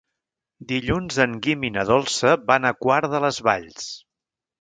Dilluns en Guim i na Dolça van a Quart de les Valls.